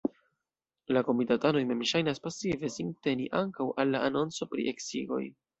La komitatanoj mem ŝajnas pasive sinteni ankaŭ al la anonco pri eksigoj.